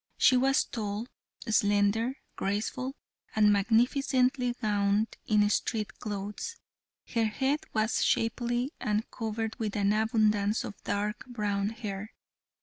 She was tall, slender, graceful, and magnificently gowned in street clothes. Her head was shapely and covered with an abundance of dark brown hair.